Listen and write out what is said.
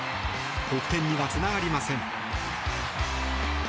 得点にはつながりません。